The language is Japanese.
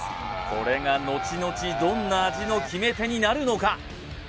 これが後々どんな味の決め手になるのか？